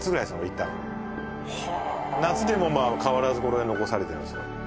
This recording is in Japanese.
行ったのはあ夏でも変わらずこれは残されてるんですよ